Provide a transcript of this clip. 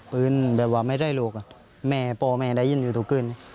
ปืนแบบว่าไม่ได้ลูกแม่พ่อแม่ได้ยินอยู่ทุกขึ้น